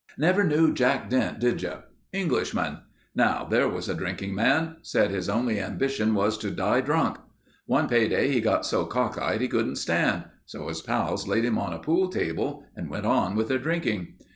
"Never knew Jack Dent, did you? Englishman. Now there was a drinking man. Said his only ambition was to die drunk. One pay day he got so cockeyed he couldn't stand, so his pals laid him on a pool table and went on with their drinking.